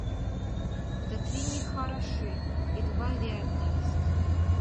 Да три не хороши, едва ли отдаст.